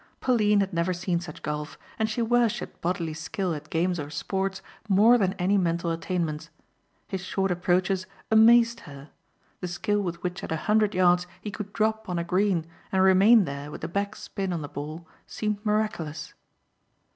Pauline had never seen such golf and she worshipped bodily skill at games or sports more than any mental attainments. His short approaches amazed her. The skill with which at a hundred yards he could drop on a green and remain there with the back spin on the ball seemed miraculous.